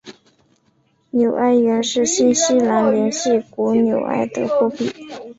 纽埃元是新西兰联系国纽埃的货币。